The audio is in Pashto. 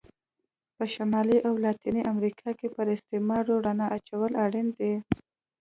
په شمالي او لاتینې امریکا کې پر استعمار رڼا اچول اړین دي.